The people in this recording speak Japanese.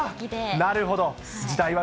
なるほど。